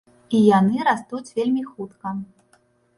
І яны растуць вельмі хутка.